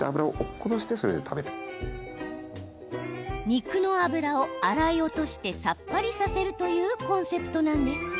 肉の脂を洗い落としてさっぱりさせるというコンセプトなんです。